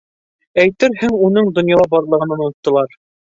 Әйтерһең, уның донъяла барлығын оноттолар.